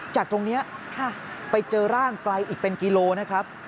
จากตรงนี้ไปเจอร่างไกลอีกเป็นกิโลนะครับ